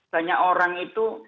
banyak orang itu